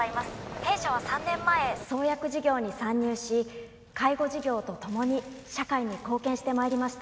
弊社は３年前創薬事業に参入し介護事業とともに社会に貢献してまいりました